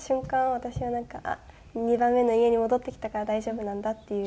私はなんか２番目の家に戻ってきたから大丈夫なんだっていう。